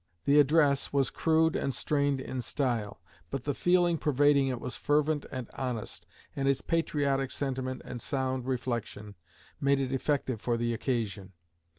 The address was crude and strained in style, but the feeling pervading it was fervent and honest, and its patriotic sentiment and sound reflection made it effective for the occasion.